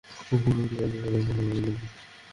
ওর pant খুলে ফেলব নাকি?